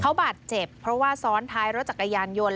เขาบาดเจ็บเพราะว่าซ้อนท้ายรถจักรยานยนต์